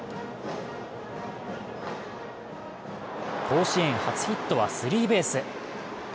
甲子園初ヒットはスリーベース。